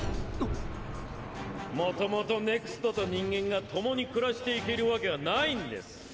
もともとＮＥＸＴと人間が共に暮らしていけるわけはないんです。